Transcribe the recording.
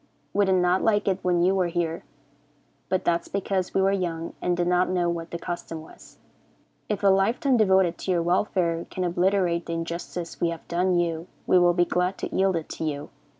We did not like it when you were here, but that is because we were young and did not know what the custom was. If a life time devoted to your welfare can obliterate the injustice we have done you, we will be glad to yield it to you.